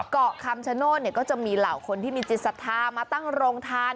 เกาะคำชโน่นเนี่ยก็จะมีเหล่าคนที่มีจิตสาธารณ์มาตั้งโรงทาน